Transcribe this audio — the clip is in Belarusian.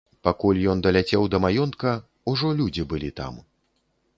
Пакуль ён даляцеў да маёнтка, ужо людзі былі там.